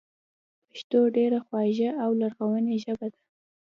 پښتو ډېره خواږه او لرغونې ژبه ده